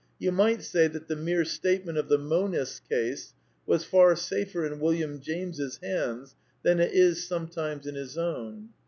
You might say that the mere statement of the monist's case was far safer in William James's hands than it is sometimes in his own.